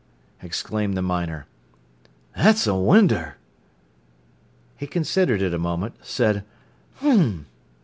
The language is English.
exclaimed the miner. "That's a winder." He considered it a moment, said "H'm!"